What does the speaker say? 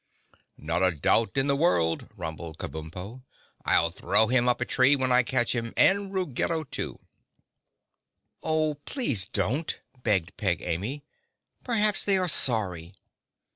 "Not a doubt in the world," rumbled Kabumpo. "I'll throw him up a tree when I catch him and Ruggedo, too!" "Oh, please don't," begged Peg Amy. "Perhaps they are sorry."